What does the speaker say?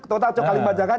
total coklatin baca kan